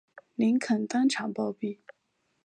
林肯当场暴毙。